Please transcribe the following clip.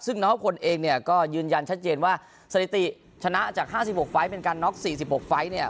ซึ่งน้องพลเองเนี่ยก็ยืนยันชัดเจนว่าสถิติชนะจากห้าสิบหกไฟท์เป็นการน็อกสี่สิบหกไฟท์เนี่ย